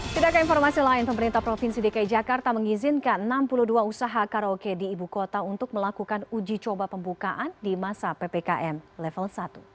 tidak ke informasi lain pemerintah provinsi dki jakarta mengizinkan enam puluh dua usaha karaoke di ibu kota untuk melakukan uji coba pembukaan di masa ppkm level satu